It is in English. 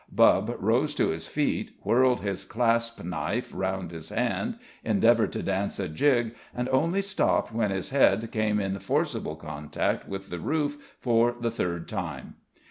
Bubb rose to his feet, whirled his clasp knife round his hand, endeavoured to dance a jig, and only stopped when his head came in forcible contact with the roof for the third time.